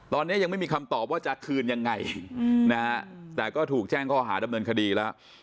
ตอนนี้ยังไม่มีคำตอบว่าจะคืนยังไงนะฮะแต่ก็ถูกแจ้งข้อหาดำเนินคดีแล้ว